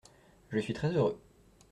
Je suis très heureux.